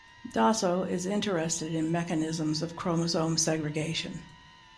Dasso is interested in mechanisms of chromosome segregation.